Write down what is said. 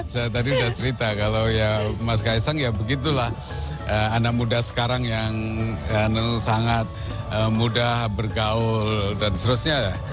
saya tadi sudah cerita kalau ya mas kaisang ya begitulah anak muda sekarang yang sangat mudah bergaul dan seterusnya ya